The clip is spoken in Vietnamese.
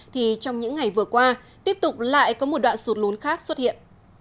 thì trong những ngày vừa qua tiếp tục lại có một đoạn sụt lún khác xuất hiện